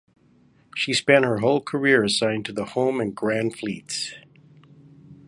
She spent her whole career assigned to the Home and Grand Fleets.